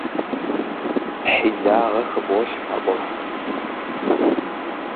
Хьилагъэ хыболъхьэ Ӏуэхум!